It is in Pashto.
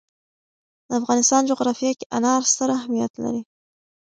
د افغانستان جغرافیه کې انار ستر اهمیت لري.